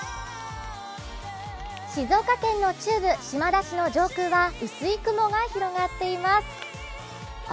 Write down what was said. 静岡県の中部・島田市の上空は薄い雲が広がっています。